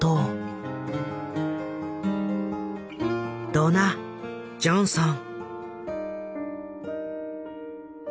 ドナ・ジョンソン。